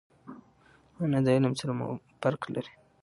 مانا د علم سره فرق لري.